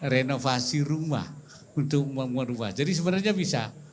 renovasi rumah untuk membuat rumah jadi sebenarnya bisa